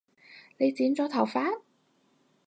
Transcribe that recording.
你剪咗頭髮？